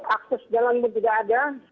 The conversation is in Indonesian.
akses jalan pun tidak ada